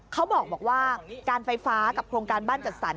เขาบอกว่าการไฟฟ้ากับโครงการบ้านจัดสรร